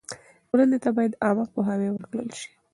ټولنې ته باید عامه پوهاوی ورکړل سي.